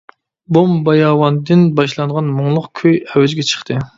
‹ ‹بوم باياۋان› › دىن باشلانغان مۇڭلۇق كۈي ئەۋجىگە چىقتى.